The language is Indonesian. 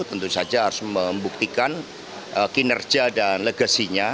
tentu saja harus membuktikan kinerja dan legasinya